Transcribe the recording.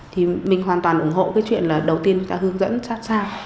thì mình hoàn toàn ủng hộ cái chuyện là đầu tiên ta hướng dẫn sát sao